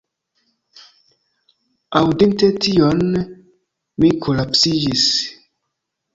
Aŭdinte tion, mi kolapsiĝis.